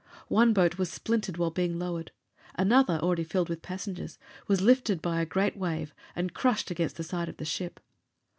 One boat was splintered while being lowered. Another, already filled with passengers, was lifted by a great ware and crushed against the side of the ship.